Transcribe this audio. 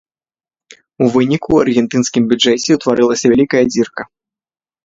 У выніку ў аргентынскім бюджэце ўтварылася вялікая дзірка.